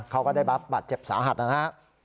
เขาก็ได้บัตรเจ็บสาหัสนะฮะ